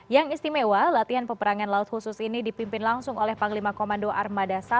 yang istimewa latihan peperangan laut khusus ini dipimpin langsung oleh panglima komando armada satu